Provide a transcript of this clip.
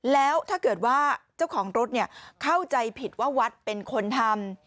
แล้วถ้าเกิดว่าเจ้าของรถเข้าใจผิดว่าวัดเป็นคนทำ